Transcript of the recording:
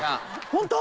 ホント？